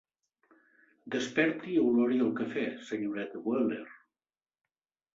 Desperti i olori el cafè, senyoreta Bueller.